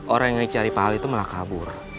orang yang cari pak ali tuh malah kabur